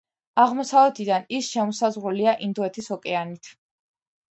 აღმოსავლეთიდან ის შემოსაზღვრულია ინდოეთის ოკეანით.